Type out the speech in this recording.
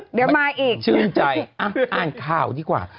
เดี๋ยวมาอีกชื่นใจอ่านข่าวดีกว่า